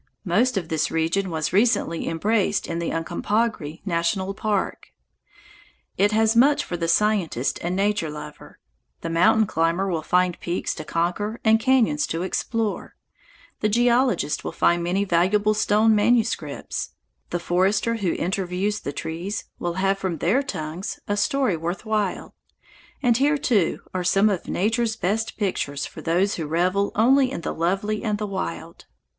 Most of this region was recently embraced in the Uncompahgre National Forest. It has much for the scientist and nature lover: the mountain climber will find peaks to conquer and cañons to explore; the geologist will find many valuable stone manuscripts; the forester who interviews the trees will have from their tongues a story worth while; and here, too, are some of Nature's best pictures for those who revel only in the lovely and the wild.